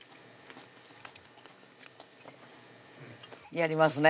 やりますね